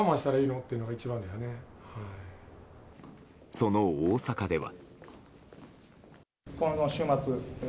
その大阪では。